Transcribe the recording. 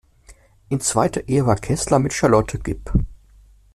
In zweiter Ehe war Keßler mit Charlotte geb.